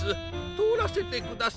とおらせてください。